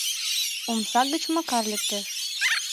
Омса гыч Макар лектеш.